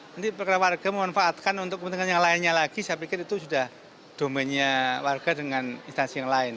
jadi perkara warga memanfaatkan untuk kepentingan yang lainnya lagi saya pikir itu sudah domennya warga dengan instansi yang lain